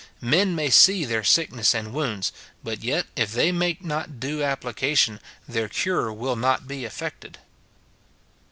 Men may see their sickness and wounds, but yet, if they make not due ap plication, their cure will not be effected.